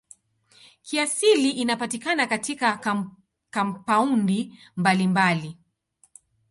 Kiasili inapatikana katika kampaundi mbalimbali.